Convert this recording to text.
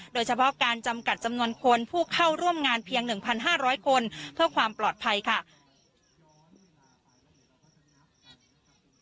โดยเฉพาะการจำกัดจำนวนคนผู้เข้าร่วมงานเพียง๑๕๐๐คนเพื่อความปลอดภัยค่ะ